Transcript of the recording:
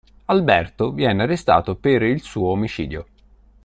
Alberto viene arrestato per il suo omicidio.